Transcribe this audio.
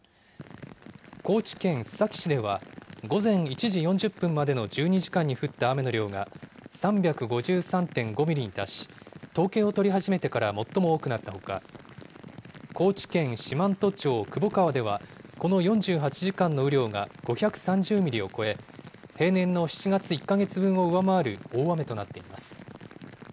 高知県須崎市では、午前１時４０分までの１２時間に降った雨の量が３５３．５ミリに達し、統計を取り始めてから最も多くなったほか、高知県四万十町窪川ではこの４８時間の雨量が５３０ミリを超え、平年の７月１か月分を上回る大雨となっています。